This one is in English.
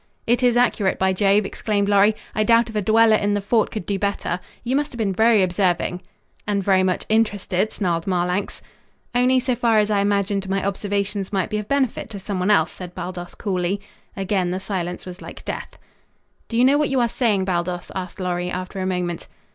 "It is accurate, by Jove," exclaimed Lorry. "I doubt if a dweller in the fort could do better. You must have been very observing." "And very much interested," snarled Marlanx. "Only so far as I imagined my observations might be of benefit to someone else," said Baldos coolly. Again the silence was like death. "Do you know what you are saying, Baldos?" asked Lorry, after a moment.